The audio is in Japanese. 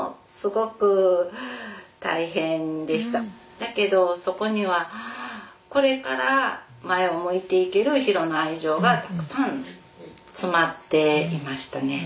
だけどそこにはこれから前を向いていけるヒロの愛情がたくさん詰まっていましたね。